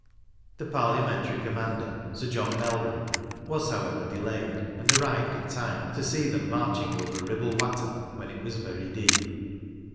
The Parliamentary commander (Sir John Meldrum) was, however, delayed, and arrived in time to see them marching over " Ribble Watter" when it was very deep.